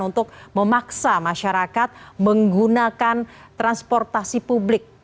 untuk memaksa masyarakat menggunakan transportasi publik